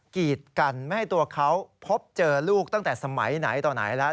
กีดกันไม่ให้ตัวเขาพบเจอลูกตั้งแต่สมัยไหนต่อไหนแล้ว